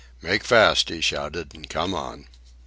"Make fast!" he shouted. "And come on!"